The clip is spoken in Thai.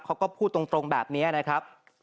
เขาก็พูดตรงแบบนี้นะครับ